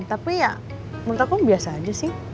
tapi ya menurut aku biasa aja sih